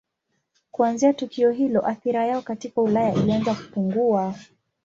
Kuanzia tukio hilo athira yao katika Ulaya ilianza kupungua.